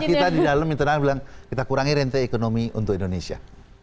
kita di dalam internal bilang kita kurangi rente ekonomi untuk indonesia